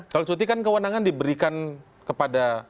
kalau cuti kan kewenangan diberikan kepada